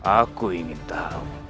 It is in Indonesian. aku ingin tahu